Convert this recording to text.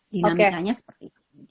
dinamikanya seperti itu